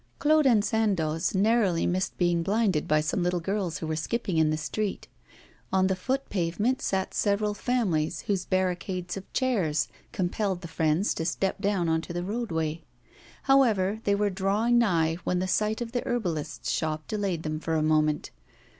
Claude and Sandoz narrowly missed being blinded by some little girls who were skipping in the street. On the foot pavement sat several families whose barricades of chairs compelled the friends to step down on to the roadway. However, they were drawing nigh, when the sight of the herbalist's shop delayed them for a moment.